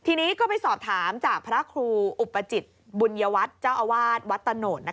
ทีนี้ก็ไปสอบถามจากพระครูอุปจิตบุญยวัตรเจ้าอาวาสวัดตะโนธ